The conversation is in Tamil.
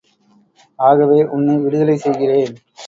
ஆகவே உன்னை விடுதலை செய்கிறேன்.